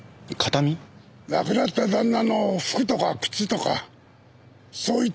亡くなった旦那の服とか靴とかそういった形見をね。